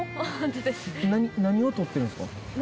何を撮ってるんですか？